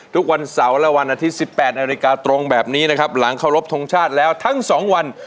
ทุกวันเสาร์และวันอาทิตย์๑๘นาฬิกาตรงแบบนี้นะครับหลังเคารพทงชาติแล้วทั้ง๒วัน